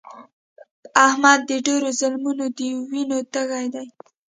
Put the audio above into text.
احمد د ډېرو ظالمانو د وینو تږی دی.